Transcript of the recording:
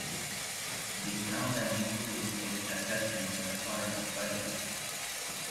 The town then includes its assessment as part of its budget.